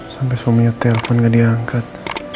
sampai suaminya telpon gak diangkat